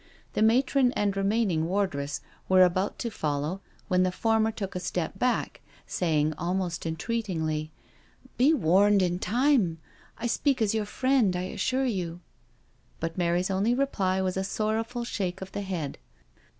The matron and remaining wardress were about to follow when the former took a step back, saying al most entreatingly :" Be warned in time— I speak as your friend, I assure you." But Mary's only reply was a sorrowful shake of the head.